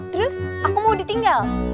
terus aku mau ditinggal